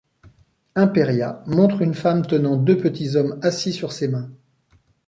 Imperia montre une femme tenant deux petits hommes assis sur ses mains.